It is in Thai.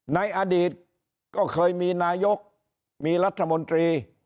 ในอดีตก็เคยมีนายกมีรัฐมนตรี